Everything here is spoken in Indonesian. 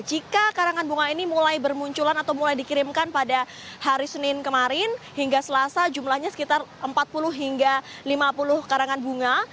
jika karangan bunga ini mulai bermunculan atau mulai dikirimkan pada hari senin kemarin hingga selasa jumlahnya sekitar empat puluh hingga lima puluh karangan bunga